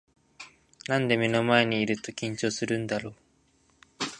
なんで目の前にいると緊張するんだろう